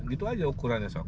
gitu aja ukurannya sok